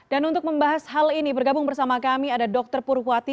dan untuk membahas hal ini bergabung bersama kami ada dr purwati